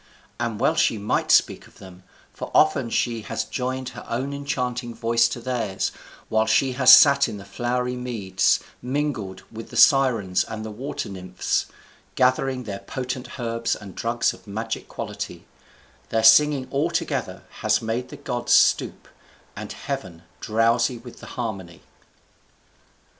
And well she might speak of them, for often she has joined her own enchanting voice to theirs, while she has sat in the flowery meads, mingled with the Sirens and the Water Nymphs, gathering their potent herbs and drugs of magic quality: their singing altogether has made the gods stoop, and "heaven drowsy with the harmony."